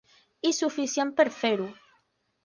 I suficient per fer-ho.